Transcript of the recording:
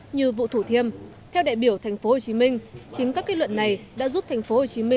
như vụ thủ thiêm theo đại biểu tp hcm chính các kết luận này đã giúp tp hcm